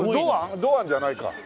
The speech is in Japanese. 堂安じゃないか。